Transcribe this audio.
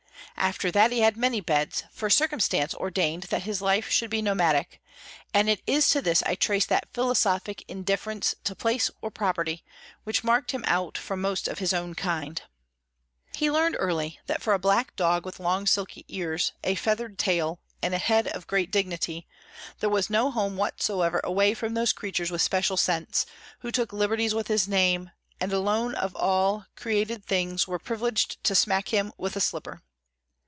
After that he had many beds, for circumstance ordained that his life should be nomadic, and it is to this I trace that philosophic indifference to place or property, which marked him out from most of his own kind. He learned early that for a black dog with long silky ears, a feathered tail, and head of great dignity, there was no home whatsoever, away from those creatures with special scents, who took liberties with his name, and alone of all created things were privileged to smack him with a slipper.